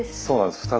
そうなんです。